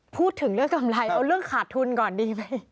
พูดถึงเรื่องกำไรเอาเรื่องขาดทุนก่อนดีไหม